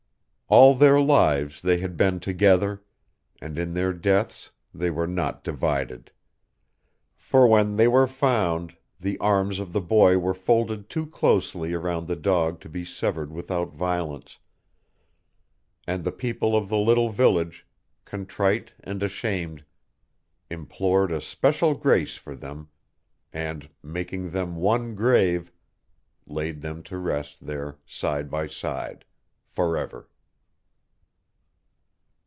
All their lives they had been together, and in their deaths they were not divided: for when they were found the arms of the boy were folded too closely around the dog to be severed without violence, and the people of their little village, contrite and ashamed, implored a special grace for them, and, making them one grave, laid them to rest there side by side forever!